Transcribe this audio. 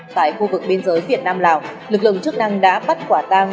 tại khu vực biên giới việt nam lào lực lượng chức năng đã bắt quả tang